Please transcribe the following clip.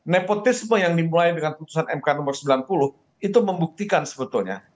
nepotisme yang dimulai dengan putusan mk nomor sembilan puluh itu membuktikan sebetulnya